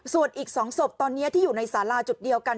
ส่วนอีก๒ศพตอนนี้ที่อยู่ในสาราจุดเดียวกัน